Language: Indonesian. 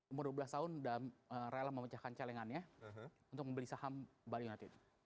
umur dua belas tahun dan rela memecahkan celengannya untuk membeli saham bali united